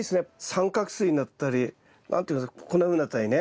三角錐になったり何て言うんですかこんなふうになったりね。